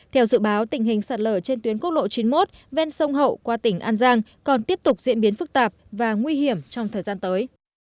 theo dự báo tình hình sạt lở trên tuyến quốc lộ chín mươi một ven sông hậu qua tỉnh an giang còn tiếp tục diễn biến phức tạp và nguy hiểm trong thời gian tới